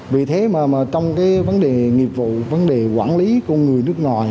vì thế mà trong cái vấn đề nghiệp vụ vấn đề quản lý của người nước